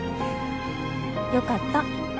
よかった